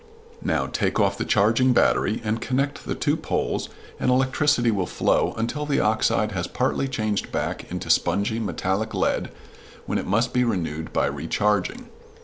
Now, take off the charging battery and connect the two poles, and electricity will flow until the oxide has partly changed back into spongy metallic lead, when it must be renewed by recharging.